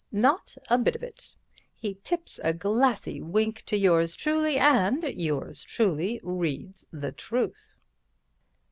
Not a bit of it. He tips a glassy wink to yours truly and yours truly reads the truth."